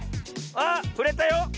あっふれたよ！